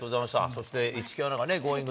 そして市來アナがね、Ｇｏｉｎｇ！